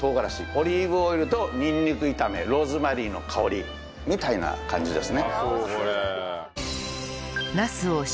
オリーブオイルとにんにく炒めローズマリーの香りみたいな感じですね。